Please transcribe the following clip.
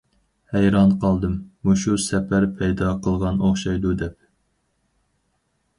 ھەيران قالدىم، مۇشۇ سەپەر پايدا قىلغان ئوخشايدۇ دەپ.